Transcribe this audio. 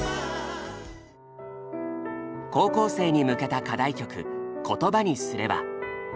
高校生に向けた課題曲「言葉にすれば」。